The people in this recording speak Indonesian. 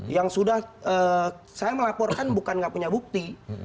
yang sudah saya melaporkan bukan tidak punya bukti